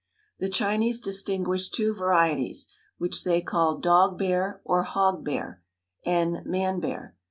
The Chinese distinguish two varieties, which they call "dog bear" or "hog bear," and "man bear."